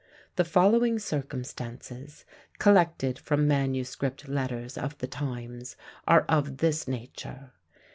The following circumstances, collected from manuscript letters of the times, are of this nature.